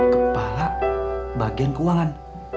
kepala bagian keuangan